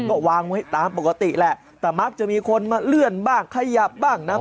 ก็วางไว้ตามปกติแหละแต่มักจะมีคนมาเลื่อนบ้างขยับบ้างน้ำ